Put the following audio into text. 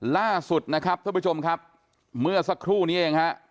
ล่าสุดนะครับท่านผู้ชมครับเมื่อสักครู่นี้เองฮะ